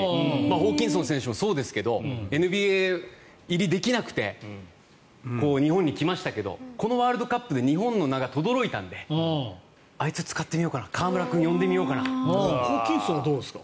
ホーキンソン選手もそうですがＮＢＡ入りできなくて日本に来ましたけどこのワールドカップで日本の名がとどろいたのであいつ使ってみようかな河村君呼んでみようかなホーキンソンはどうですか。